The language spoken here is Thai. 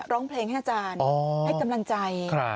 ร้องเพลงให้อาจารย์ให้กำลังใจ